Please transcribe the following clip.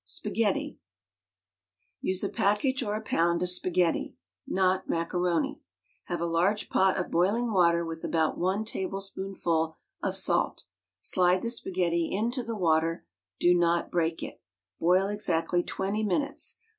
SPAGHETTI Use a package or a pound of spaghetti; not macaroni. Have a large pot of boiling water with about one table spoonful of salt. Slide the spaghetti into the water. Do not break it. Boil exactly twenty minutes.